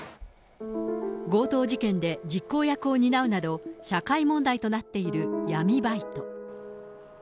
強盗事件で実行役を担うなど、社会問題となっている闇バイト。